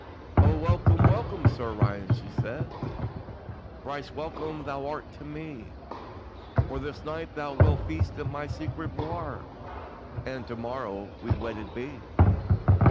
"O welcome, welcome, Sir Roland," she says, "Thrice welcome thou art to me; For this night thou wilt feast in my secret bouir, And to morrow we'll wedded be."